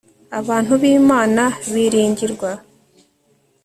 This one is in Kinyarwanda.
abantu b imana biringirwa